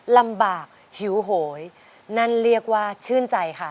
ลำบากหิวโหยนั่นเรียกว่าชื่นใจค่ะ